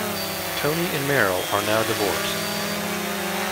Toni and Merril are now divorced.